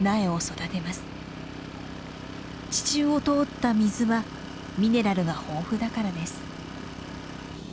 地中を通った水はミネラルが豊富だからです。